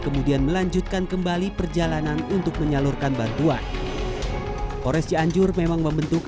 kemudian melanjutkan kembali perjalanan untuk menyalurkan bantuan kores cianjur memang membentuk